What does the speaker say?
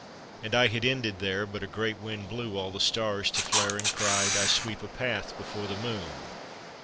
And I had ended there: But a great wind blew all the stars to flare, And cried, "I sweep a path before the moon!